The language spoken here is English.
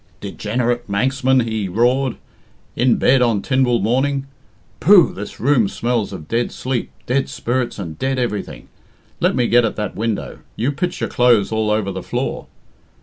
"Degenerate Manxman!" he roared. "In bed on Tynwald morning. Pooh! this room smells of dead sleep, dead spirits, and dead everything. Let me get at that window you pitch your clothes all over the floor.